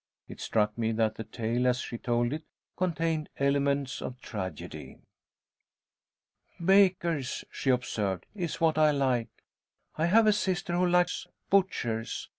It struck me that the tale, as she told it, contained elements of tragedy. "Bakers," she observed, "is what I like. I have a sister who likes butchers.